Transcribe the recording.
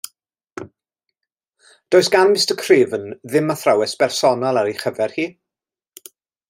Does gan Mr. Craven ddim athrawes bersonol ar ei chyfer hi?